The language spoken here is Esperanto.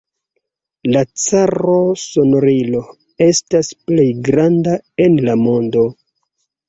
La Caro-Sonorilo estas plej granda en la mondo.